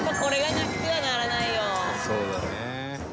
「そうだよね」